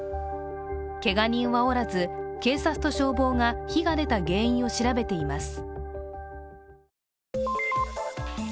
けが人はおらず警察と消防が火が出た原因を調べています。